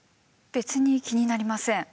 別に気になりません。